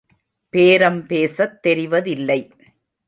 பேரம் பேசத் தெரிவதில்லை.